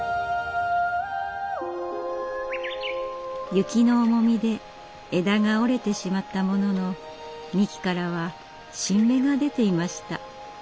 雪の重みで枝が折れてしまったものの幹からは新芽が出ていました。